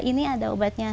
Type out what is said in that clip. ini ada obatnya